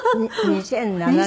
２００７年？